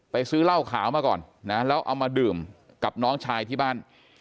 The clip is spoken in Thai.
ซื้อเหล้าขาวมาก่อนนะแล้วเอามาดื่มกับน้องชายที่บ้าน